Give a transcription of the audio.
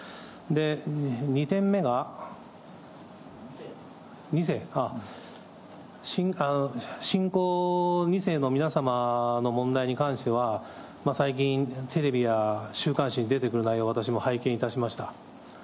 ２点目が、２世、信仰２世の皆様の問題に関しては、最近、テレビや週刊誌に出てくる内容を私も拝見いたしました。